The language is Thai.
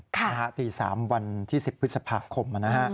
ตี๓วันที่๑๐พฤษภาคม